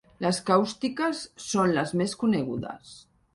Les càustiques són les més conegudes.